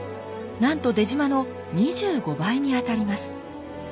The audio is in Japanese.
なんと出島の２５倍にあたります。